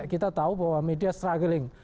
kita tahu bahwa media struggling